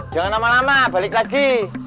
jangan lama lama balik lagi